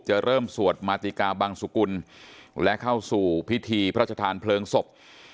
เริ่มสวดมาติกาบังสุกุลและเข้าสู่พิธีพระชธานเพลิงศพ